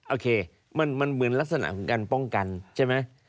โอเคมันเหมือนลักษณะของการป้องกันใช่ไหม